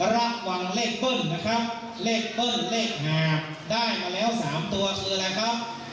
ระหว่างเลขปึ้งนะครับเลขปึ้งเลขหาดได้มาแล้วสามตัวคืออะไรครับ